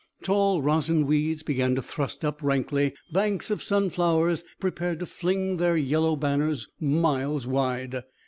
Tall rosinweeds began to thrust up rankly, banks of sunflowers prepared to fling their yellow banners miles wide.